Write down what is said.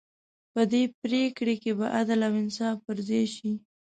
په دې پرېکړې کې به عدل او انصاف پر ځای شي.